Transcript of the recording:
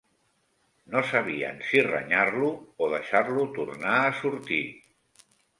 No sabien si renyar-lo o deixar-lo tornar a sortir